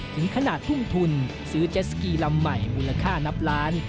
ถึงขนาดทุ่มทุนซื้อเจสสกีลำใหม่มูลค่านับล้าน